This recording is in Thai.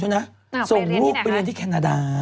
คุณหมอโดนกระช่าคุณหมอโดนกระช่า